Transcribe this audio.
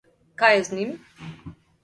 Kaj je z njim?